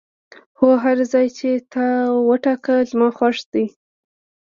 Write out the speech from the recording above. هو، هر ځای چې تا وټاکه زما خوښ دی.